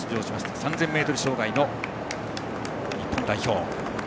３０００ｍ障害の日本代表。